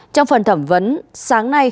trong phần thẩm vấn